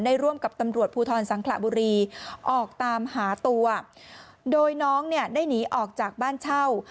ร่วมกับตำรวจภูทรสังขระบุรีออกตามหาตัวโดยน้องเนี่ยได้หนีออกจากบ้านเช่า